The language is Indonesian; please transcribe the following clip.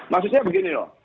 maksudnya begini loh